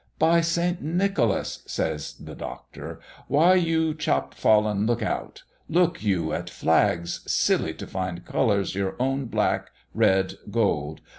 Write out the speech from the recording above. "By St. Nicolas!" said the Doctor; "why, you Chop fallen, look out! Look you at flags, Silly, to find colours your own black, red, gold?